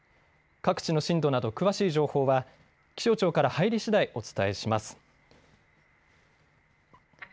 各地の震度など詳しい情報は気象庁から入りしだいお伝えします。